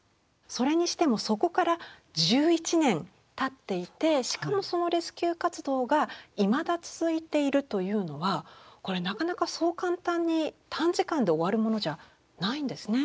それにしてもそこから１１年たっていてしかもそのレスキュー活動がいまだ続いているというのはこれなかなかそう簡単に短時間で終わるものじゃないんですね。